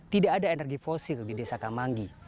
tidak ada energi fosil di desa kamanggi